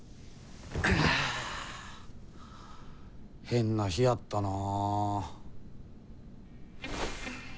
変な日やったな。